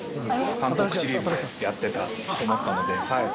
韓国シリーズでやってたと思ったので。